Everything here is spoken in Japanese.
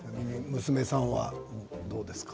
娘さんはどうですか？